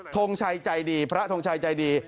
ทงชัยใจดีพระทงชัยใจดี